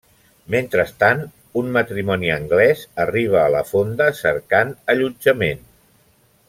Mentrestant, un matrimoni anglès arriba a la fonda cercant allotjament.